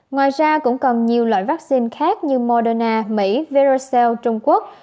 ngoài ra cũng còn nhiều loại vaccine khác như moderna mỹ verocell trung quốc